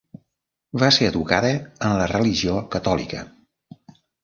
Va ser educada en la religió catòlica.